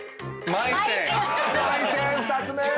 まい泉２つ目！